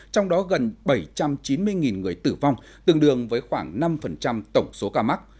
trong đó gần bảy trăm chín mươi người tử vong tương đương với khoảng năm tổng số ca mắc